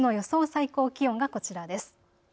最高気温がこちらです。